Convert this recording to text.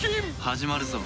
始まるぞ。